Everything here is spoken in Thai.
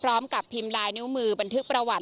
พร้อมกับพิมพ์ลายนิ้วมือบันทึกประวัติ